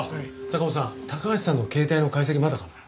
高尾さん高橋さんの携帯の解析まだかな？